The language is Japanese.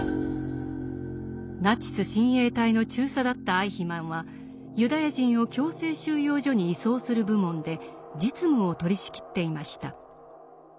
ナチス親衛隊の中佐だったアイヒマンはユダヤ人を強制収容所に移送する部門で実務を取りしきっていました。